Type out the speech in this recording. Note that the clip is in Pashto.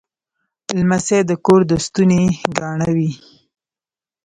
لمسی د کور د ستوني ګاڼه وي.